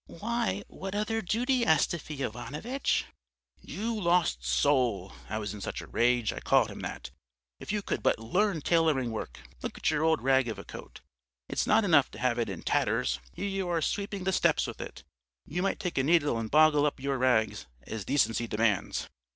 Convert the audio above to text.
"'Why, what other duty, Astafy Ivanovitch?' "'You lost soul' I was in such a rage, I called him that 'if you could but learn tailoring work! Look at your old rag of a coat! It's not enough to have it in tatters, here you are sweeping the steps with it! You might take a needle and boggle up your rags, as decency demands.